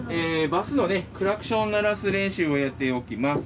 バスのクラクションを鳴らす練習をやっておきます。